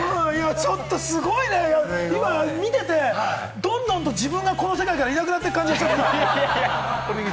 ちょっとすごいね、今見てて、どんどんと自分がこの世界からいなくなっていく感じがしたのよ。